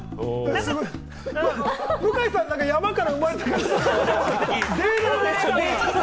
向井さん、何か山から生まれた。